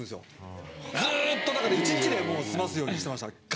ずっとだから一日で済ますようにしてました。